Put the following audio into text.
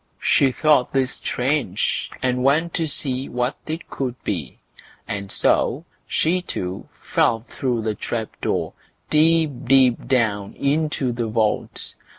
She thought this strange, and went to see what it could be; and so she too fell through the trap door, deep, deep down, into the vault.